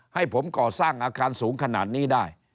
ให้ผมก่อสร้างอาคารสูงขนาดนี้ได้